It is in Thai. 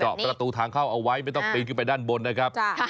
เจาะประตูทางเข้าเอาไว้นัดมุติให้ไปด้านบนนะครับ